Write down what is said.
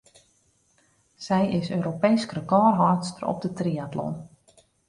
Sy is Europeesk rekôrhâldster op de triatlon.